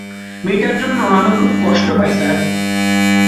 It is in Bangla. মেয়েটার জন্যে আমার খুব কষ্ট হয় স্যার।